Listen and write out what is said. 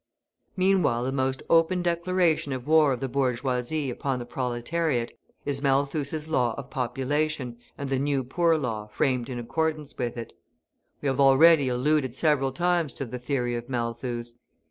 Meanwhile the most open declaration of war of the bourgeoisie upon the proletariat is Malthus' Law of Population and the New Poor Law framed in accordance with it. We have already alluded several times to the theory of Malthus.